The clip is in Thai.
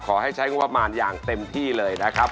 ใช้งบประมาณอย่างเต็มที่เลยนะครับ